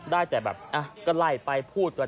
ได้แต่แบบก็ไล่ไปพูดกัน